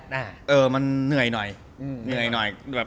ให้เลยคุณแบบ